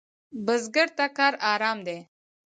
بزګر ته کار آرام دی